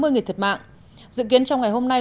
người thiệt mạng dự kiến trong ngày hôm nay